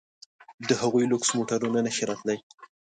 د هغوی لوکس موټرونه نه شي راتلای.